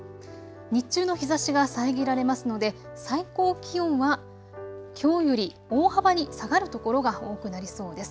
日中の日ざしが遮られますので最高気温はきょうより大幅に下がる所が多くなりそうです。